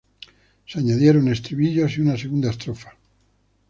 Se añadieron estribillos y una segunda estrofa.